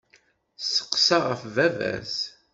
Tesseqsa ɣef baba-s.